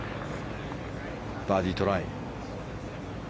バーディートライ。